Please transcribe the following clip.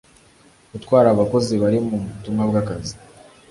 Gutwara abakozi bari mu butumwa bw’akazi